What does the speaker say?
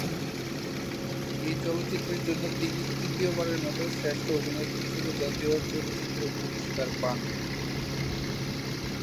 এ চলচ্চিত্রের জন্য তিনি তৃতীয় বারের মত শ্রেষ্ঠ অভিনেত্রী হিসেবে জাতীয় চলচ্চিত্র পুরস্কার পান।